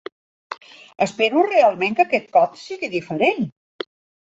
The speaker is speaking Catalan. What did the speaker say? Espero realment que aquest cop sigui diferent.